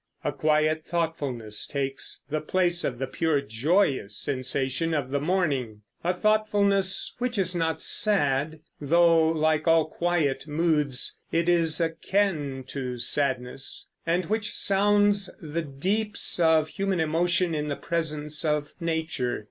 A quiet thoughtfulness takes the place of the pure, joyous sensation of the morning, a thoughtfulness which is not sad, though like all quiet moods it is akin to sadness, and which sounds the deeps of human emotion in the presence of nature.